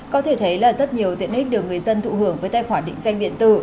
có thể thấy là rất nhiều tiện ích được người dân thụ hưởng với tài khoản định danh điện tử